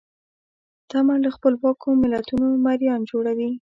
تمه له خپلواکو ملتونو مریان جوړوي.